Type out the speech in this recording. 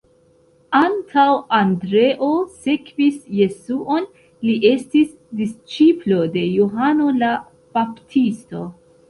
Antaŭ Andreo sekvis Jesuon, li estis disĉiplo de Johano la Baptisto.